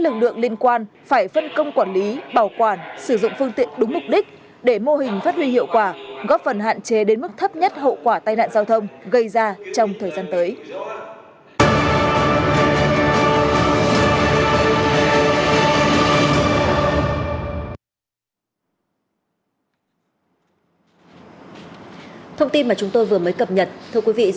công an nhân dân phải phân công quản lý bảo quản sử dụng phương tiện đúng mục đích để mô hình phát huy hiệu quả góp phần hạn chế đến mức thấp nhất hậu quả tai nạn giao thông gây ra trong thời gian tới